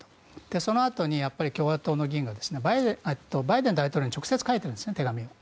そのあとにやっぱり共和党の議員がバイデン大統領に直接書いたんですね、手紙を。